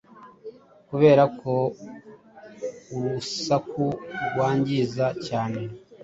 Kuberako urusaku rwangiza cyane;